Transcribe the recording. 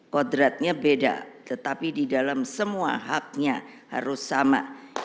kodratnya beda tetapi di dalam semua haknya harus sama